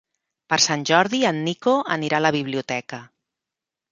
Per Sant Jordi en Nico anirà a la biblioteca.